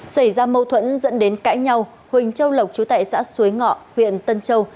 xảy ra mâu thuẫn dẫn đến cãi nhau huỳnh châu lộc chú tại xã suối ngọ huyện tân châu